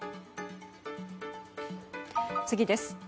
次です。